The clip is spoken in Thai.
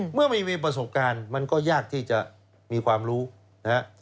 เมื่อไม่มีประสบการณ์มันก็ยากที่จะมีความรู้นะครับ